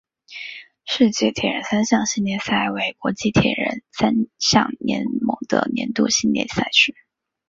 世界铁人三项系列赛为国际铁人三项联盟的年度系列赛事。